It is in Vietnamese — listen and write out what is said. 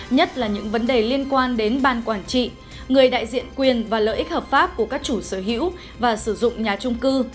nhất là những vấn đề liên quan đến ban quản trị người đại diện quyền và lợi ích hợp pháp của các chủ sở hữu và sử dụng nhà trung cư